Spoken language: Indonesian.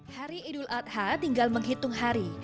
hari idul adha tinggal menghitung hari